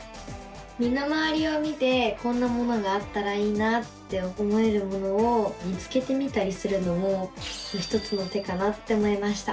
身の回りを見てこんなものがあったらいいなって思えるものを見つけてみたりするのも一つの手かなって思いました。